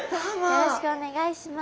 よろしくお願いします。